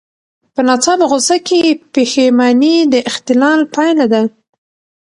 په ناڅاپه غوسه کې پښېماني د اختلال پایله ده.